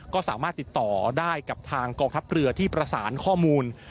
ก็สามารถติดต่อได้กับทางกองทัพเรือที่ประสานข้อมูล